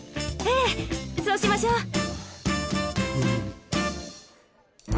ええそうしましょう。